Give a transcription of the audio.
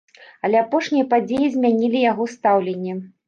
Але апошнія падзеі змянілі яго стаўленне.